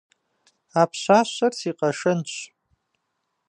А пщащэр си къэшэнщ.